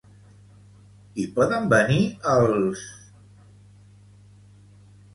Hi poden venir els...?